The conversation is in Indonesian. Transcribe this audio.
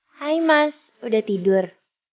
hai mas udah tidur